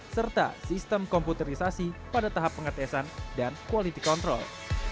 serta sistem komputerisasi pada tahap pengetesan dan quality control